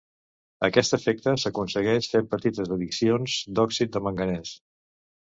Aquest efecte s"aconsegueix fent petites adicions d"òxid de manganès.